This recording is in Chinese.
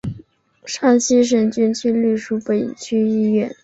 山西省军区隶属华北军区。